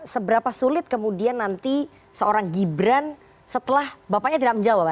seberapa sulit kemudian nanti seorang gibran setelah bapaknya tidak menjawab